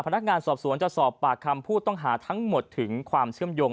พนักงานสอบสวนจะสอบปากคำผู้ต้องหาทั้งหมดถึงความเชื่อมโยง